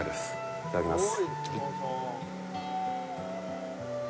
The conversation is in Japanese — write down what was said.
いただきます。